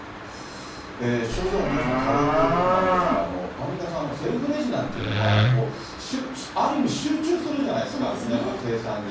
症状は皆さん軽いということなんですが、アンミカさん、セルフレジなんていうのは、ある意味、集中するじゃないですか、皆さん、精算に。